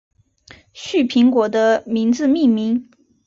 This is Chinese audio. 旭苹果的名字命名。